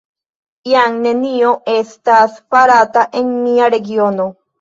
Jam nenio estas farata en mia regiono!